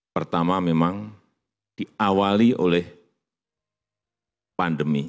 pertama memang diawali oleh pandemi